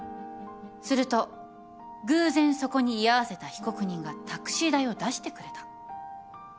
すると偶然そこに居合わせた被告人がタクシー代を出してくれた。